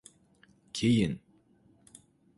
Keyin…